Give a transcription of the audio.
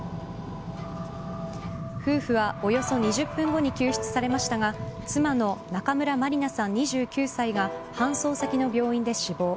夫婦は、およそ２０分後に救出されましたが妻の中村まりなさん、２９歳が搬送先の病院で死亡。